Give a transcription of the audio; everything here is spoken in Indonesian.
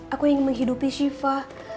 aku ingin menghidupi siva